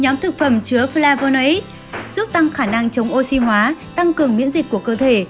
nhóm thực phẩm chứa flyverix giúp tăng khả năng chống oxy hóa tăng cường miễn dịch của cơ thể